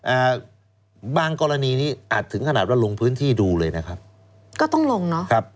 อ่าบางกรณีนี้อาจถึงขนาดว่าลงพื้นที่ดูเลยนะครับก็ต้องลงเนาะครับ